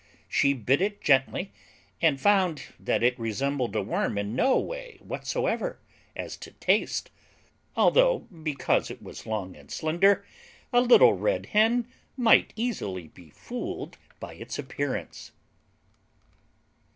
She bit it gently and found that it resembled a worm in no way whatsoever as to taste although because it was long and slender, a Little Red Hen might easily be fooled by its appearance.